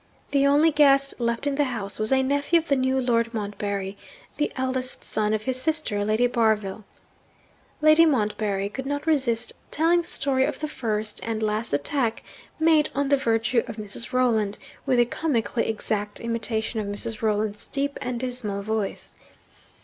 The only guest left in the house was a nephew of the new Lord Montbarry the eldest son of his sister, Lady Barville. Lady Montbarry could not resist telling the story of the first (and last) attack made on the virtue of Mrs. Rolland, with a comically exact imitation of Mrs. Rolland's deep and dismal voice.